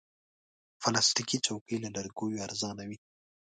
پلاستيکي چوکۍ له لرګیو ارزانه وي.